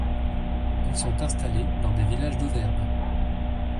Ils sont installés dans des villages d'Auvergne.